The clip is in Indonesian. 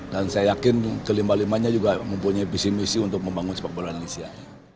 dan saya yakin kelima limanya juga mempunyai visi misi untuk membangun sepak bola indonesia